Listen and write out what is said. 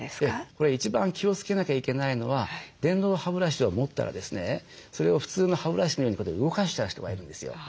これ一番気をつけなきゃいけないのは電動歯ブラシを持ったらですねそれを普通の歯ブラシのようにこうやって動かしちゃう人がいるんですよ。